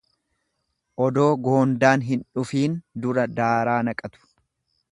Odoo goondaan hin dhufiin dura daaraa naqatu.